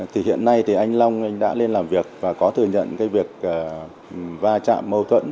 thì hiện nay thì anh long đã lên làm việc và có thừa nhận cái việc va chạm mâu thuẫn